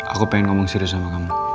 aku pengen ngomong serius sama kamu